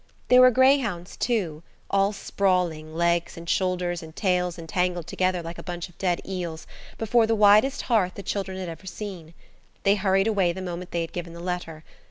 There were greyhounds, too, all sprawling, legs and shoulders and tails entangled together like a bunch of dead eels, before the widest hearth the children had ever seen. They hurried away the moment they had given the letter.